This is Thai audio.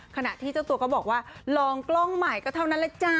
ขณะที่เจ้าตัวก็บอกว่าลองกล้องใหม่ก็เท่านั้นแหละจ๊ะ